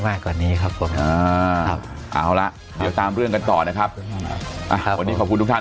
มากกว่านี้ครับโอ้ร่ะตามเรื่องกันต่อนะครับขอบคุณทุกท่าน